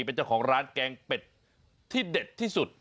เป็นเจ้าของร้านแกงเป็ดที่เด็ดที่สุด